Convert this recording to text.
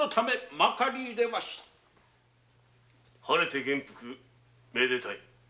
晴れて元服めでたい。